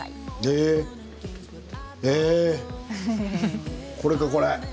ええこれかこれ。